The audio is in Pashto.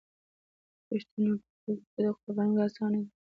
د پښتنو په کلتور کې د قربانۍ ورکول اسانه دي.